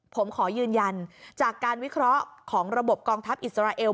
ผมขอยืนยันจากการวิเคราะห์ของระบบกองทัพอิสราเอล